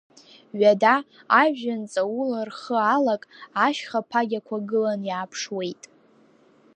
Ҩада, ажәҩан ҵаула рхы алак, ашьха ԥагьақәа гылан иааԥшуеит.